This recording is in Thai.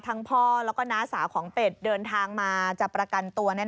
พ่อแล้วก็น้าสาวของเป็ดเดินทางมาจะประกันตัว